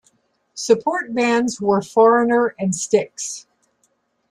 Support bands were Foreigner and Styx.